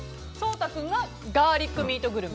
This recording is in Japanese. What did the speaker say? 私がガーリックミートグルメ。